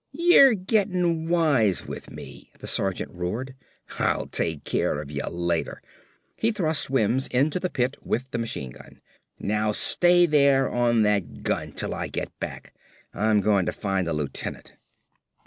"Y'ARE GETTIN' WISE WITH ME!" the sergeant roared. "I'll take care of ya later." He thrust Wims into the pit with the machine gun. "Now stay there on that gun 'til I get back. I'm goin' ta find the lieutenant."